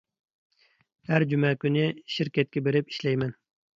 ھەر جۈمە كۈنى شىركەتكە بېرىپ ئىشلەيمەن.